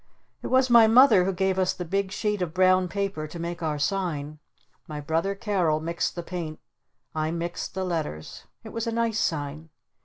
It was my Mother who gave us the big sheet of brown paper to make our sign. My brother Carol mixed the paint. I mixed the letters. It was a nice sign.